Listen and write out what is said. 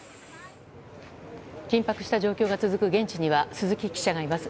緊迫した状況が続く現地には鈴木記者がいます。